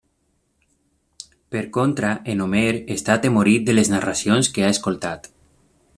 Per contra, en Homer està atemorit de les narracions que ha escoltat.